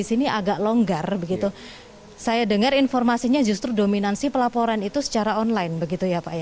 ini agak longgar begitu saya dengar informasinya justru dominansi pelaporan itu secara online begitu ya pak ya